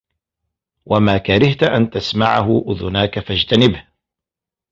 وَمَا كَرِهْت أَنْ تَسْمَعَهُ أُذُنَاك فَاجْتَنِبْهُ